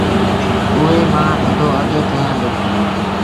اُئي مآݩ اڌو اڌ ڪيآݩدي